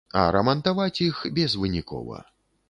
А рамантаваць іх безвынікова.